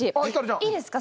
いいですか？